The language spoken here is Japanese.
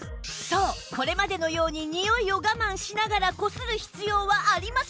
そうこれまでのようににおいを我慢しながらこする必要はありません